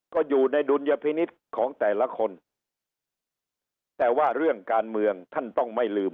ก็อยู่ในดุลยพินิษฐ์ของแต่ละคนแต่ว่าเรื่องการเมืองท่านต้องไม่ลืม